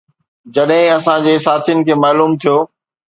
جڏهن اسان جي ساٿين کي معلوم ٿيو